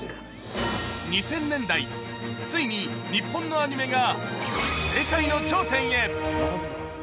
２０００年代、ついに日本のアニメが世界の頂点へ。